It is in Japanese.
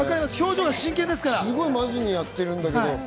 すごいマジにやってるんですけど。